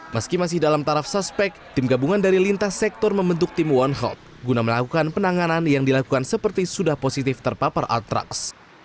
meski masih dalam taraf suspek tim gabungan dari lintas sektor membentuk tim one hop guna melakukan penanganan yang dilakukan seperti sudah positif terpapar antraks